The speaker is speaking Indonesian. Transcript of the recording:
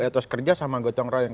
etos kerja sama gotong royong